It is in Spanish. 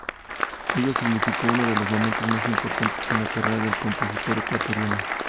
Ello significó uno de los momentos más importantes en la carrera del compositor ecuatoriano.